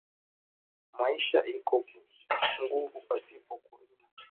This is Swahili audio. Maisha iko nguvu pashipo ku rima